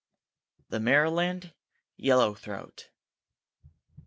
] THE MARYLAND YELLOW THROAT.